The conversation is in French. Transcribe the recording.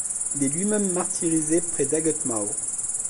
Il est lui-même martyrisé près d'Hagetmau.